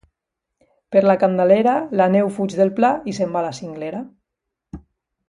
Per la Candelera la neu fuig del pla i se'n va a la cinglera.